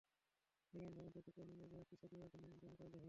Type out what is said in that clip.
Parliament ভবন থেকে কুয়ানের মরদেহ একটি সাঁজোয়া যানে বহন করা হয়।